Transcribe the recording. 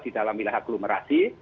di dalam wilayah agglomerasi